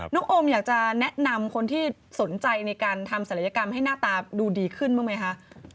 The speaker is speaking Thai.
โอมอยากจะแนะนำคนที่สนใจในการทำศัลยกรรมให้หน้าตาดูดีขึ้นบ้างไหมคะ